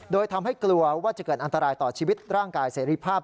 โดยทำให้กลัวว่าจะเกิดอันตรายต่อชีวิตร่างกายเสรีภาพ